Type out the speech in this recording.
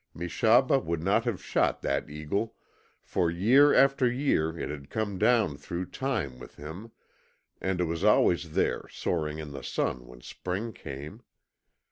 Meshaba would not have shot that eagle, for year after year it had come down through time with him, and it was always there soaring in the sun when spring came.